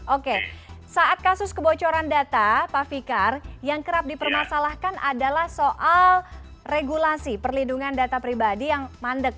oke saat kasus kebocoran data pak fikar yang kerap dipermasalahkan adalah soal regulasi perlindungan data pribadi yang mandek